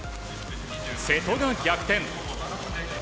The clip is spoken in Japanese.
瀬戸が逆転。